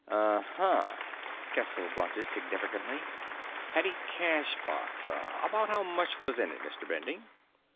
"Uh huh," Ketzel grunted significantly. "Petty cash box. About how much was in it, Mr. Bending?"